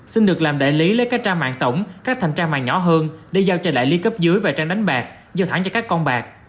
xin được làm đại lý lấy các trang mạng tổng các thành trang mạng nhỏ hơn để giao cho đại lý cấp dưới và trang đánh bạc giao thẳng cho các con bạc